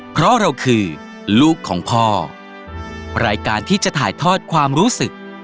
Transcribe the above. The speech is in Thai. เพราะเราคือลูกของพ่อรายการที่จะถ่ายทอดความรู้สึก